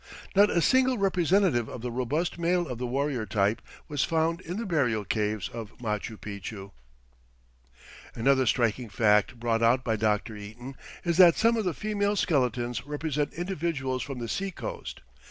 Not a single representative of the robust male of the warrior type was found in the burial caves of Machu Picchu. Another striking fact brought out by Dr. Eaton is that some of the female skeletons represent individuals from the seacoast.